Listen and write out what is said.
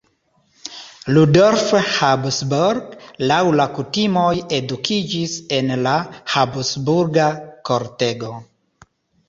Rudolf Habsburg laŭ la kutimoj edukiĝis en la Habsburga kortego.